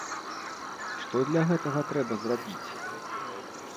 Што для гэтага трэба зрабіць?